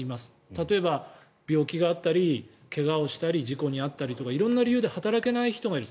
例えば、病気があったり怪我をしたり事故に遭ったりとか色んな理由で働けない人がいる。